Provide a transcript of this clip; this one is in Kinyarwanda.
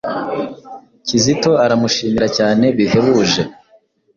Kizito aramushimira cyane bihebuje